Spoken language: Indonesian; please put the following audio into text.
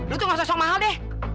lu tuh gak sosok mahal deh